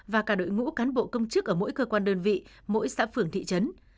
và cả đội ngũ cán bộ công chức ở mỗi cơ quan đơn vị mỗi xã phường thị trấn